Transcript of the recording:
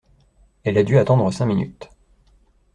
Elle a du attendre cinq minutes.